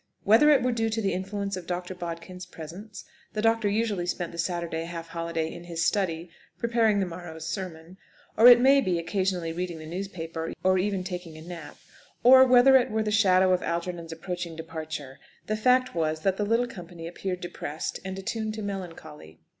Whether it were due to the influence of Dr. Bodkin's presence (the doctor usually spent the Saturday half holiday in his study, preparing the morrow's sermon; or, it may be, occasionally reading the newspaper, or even taking a nap) or whether it were the shadow of Algernon's approaching departure, the fact was that the little company appeared depressed, and attuned to melancholy.